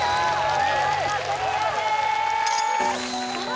お見事クリアですさあ